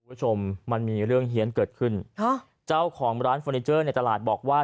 คุณผู้ชมมันมีเรื่องเฮียนเกิดขึ้นฮะเจ้าของร้านเฟอร์นิเจอร์ในตลาดบอกว่า